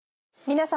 皆様。